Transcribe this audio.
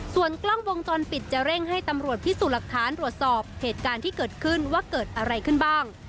ส่วนกล้องวงจรปิดจะเร่งให้ตำรวจพิสูจน์หลักฐานตรวจสอบเหตุการณ์ที่เกิดขึ้นว่าเกิดอะไรขึ้นบ้าง